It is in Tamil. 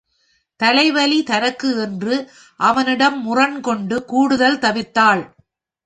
தலைவலி தனக்கு என்று அவனிடம் முரண்கொண்டு கூடுதல் தவிர்த்தாள்.